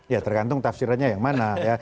ya tergantung tafsirannya yang mana